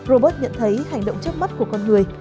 robert nhận thấy hành động trước mắt của con người